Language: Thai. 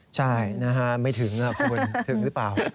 ใช่นะฮะไม่ถึงนะคุณถึงหรือเปล่า